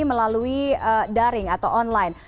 melalui daring atau online